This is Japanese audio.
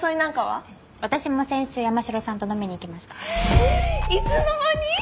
えいつの間に！？